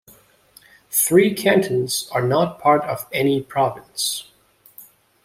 Three cantons are not part of any province.